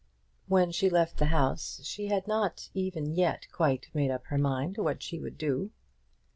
When she left the house she had not even yet quite made up her mind what she would do.